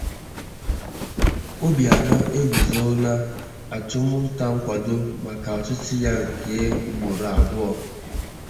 Obianọ Eguzobena Achụmnta Nkwado Maka Ọchịchị Ya Nke Ugboro Abụọ